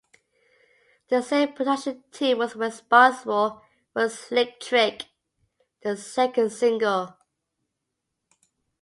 The same production team was responsible for "Slick Trick", the second single.